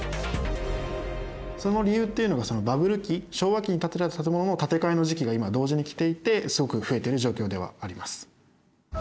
その理由っていうのがバブル期・昭和期に建てられた建物の建て替えの時期が今同時にきていてすごく増えてる状況ではあります。